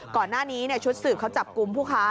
ก่อนหน้านี้ชุดสืบเขาจับกลุ่มผู้ค้า